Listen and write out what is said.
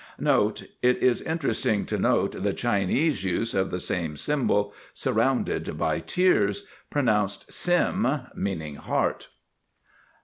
NOTE:—It is interesting to note the Chinese use of the same symbol surrounded by tears, pronounced sim, meaning Heart.